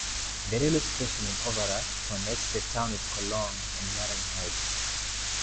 The railway station in Overath connects the Town with Cologne and Marienheide.